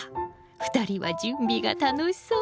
２人は準備が楽しそう。